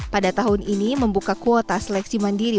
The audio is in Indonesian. pada tahun ini membuka kuota seleksi mandiri